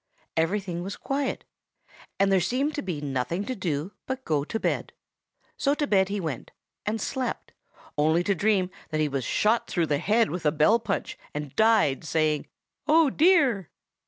Everything was quiet, and there seemed to be nothing to do but go to bed; so to bed he went, and slept, only to dream that he was shot through the head with a bell punch, and died saying, 'Oh, dear!